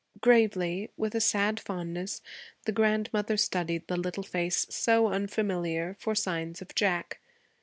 Gravely, with a sad fondness, the grandmother studied the little face, so unfamiliar, for signs of Jack.